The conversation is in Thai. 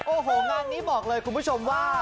โอ้โหงานนี้บอกเลยคุณผู้ชมว่า